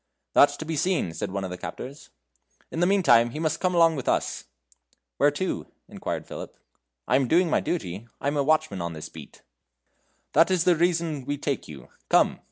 "That's to be seen," said one of the captors. "In the meantime he must come along with us." "Where to?" inquired Philip; "I am doing my duty. I am watchman of this beat." "That's the reason we take you. Come."